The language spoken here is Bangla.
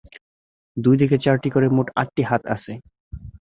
দুই দিকে চারটি করে, মোট আটটি হাত আছে।